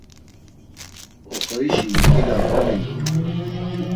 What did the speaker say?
Oxorişi nǩila gomindunu.